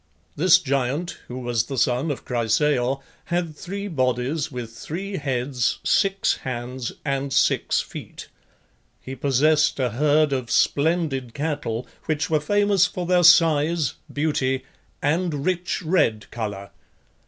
This giant, who was the son of Chrysaor, had three bodies with three heads, six hands, and six feet. He possessed a herd of splendid cattle, which were famous for their size, beauty, and rich red colour.